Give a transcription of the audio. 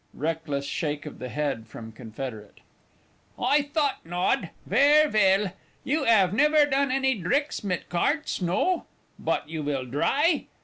(Reckless shake of the head from Confederate.) I thought nod. Vair vell. You 'ave nevaire done any dricks mit carts no? Bot you will dry?